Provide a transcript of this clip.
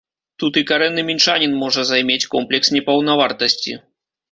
Тут і карэнны мінчанін можа займець комплекс непаўнавартасці.